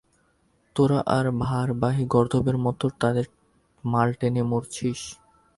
আর তোরা ভারবাহী গর্দভের মত তাদের মাল টেনে মরছিস।